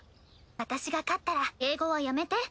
私が勝ったら敬語はやめて。